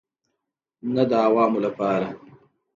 نه د عوامو لپاره.